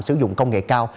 sử dụng công nghệ cao